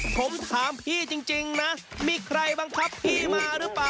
ทำเบนครับ